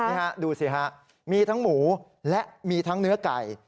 นี่ฮะดูสิฮะมีทั้งหมูและมีทั้งเนื้อไก่